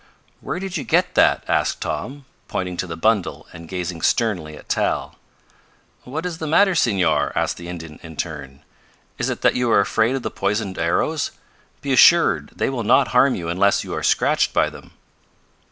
"Where did you get that?" asked Tom, pointing to the bundle and gazing sternly at Tal. "What is the matter, Senor?" asked the Indian in turn. "Is it that you are afraid of the poisoned arrows? Be assured they will not harm you unless you are scratched by them."